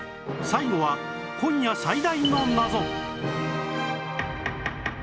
最後は今夜最大の謎